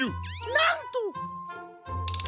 なんと！